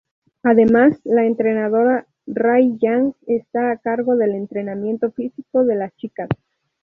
Además, la entrenadora Ray Yang está a cargo del entrenamiento físico de las chicas.